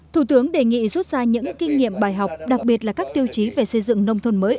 thủ tướng đề nghị rút ra những kinh nghiệm bài học đặc biệt là các tiêu chí về xây dựng nông thôn mới